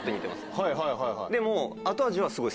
はいはいはいはい。